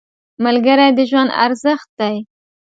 ملګری د ژوند ارزښت دی